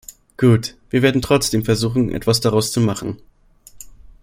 Gut, wir werden trotzdem versuchen, etwas daraus zu machen.